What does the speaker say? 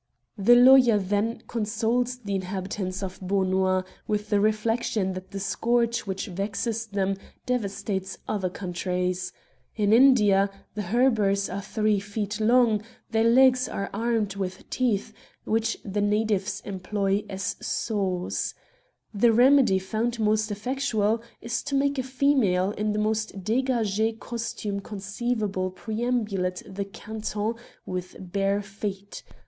The lawyer then consoles the inhabitants of Beaunois with the reflection that the scourge which vexes them devastates other countries. In India the httreburs are three feet long, their legs are armed with teeth, which the natives employ as saws. The remedy found most effectual is to make a female in the most d^gag^ costume conceivable perambulate the canton with bare feet.